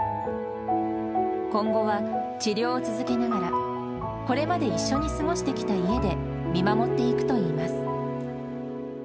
今後は治療を続けながら、これまで一緒に過ごしてきた家で見守っていくといいます。